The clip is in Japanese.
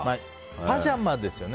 パジャマですよね。